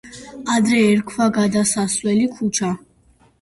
ადრე ერქვა გადასასვლელი ქუჩა.